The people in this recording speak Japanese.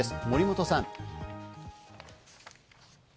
森本さん。